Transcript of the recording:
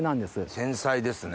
繊細ですね。